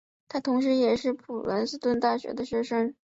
他同时也是普雷斯顿大学的学生。